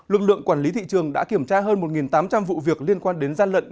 lực lượng quản lý thị trường đã kiểm tra hơn một tám trăm linh vụ việc liên quan đến gian lận